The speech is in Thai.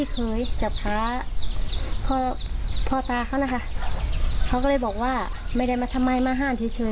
เขาก็เลยบอกว่าไม่ได้มาทำไมมาห้่านเฉย